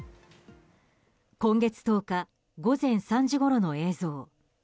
今月１０日午前３時ごろの映像。